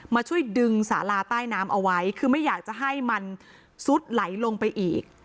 มาช่วยดึงสาลาใต้น้ำเอาไว้คือไม่อยากจะให้มันซุดไหลลงไปอีก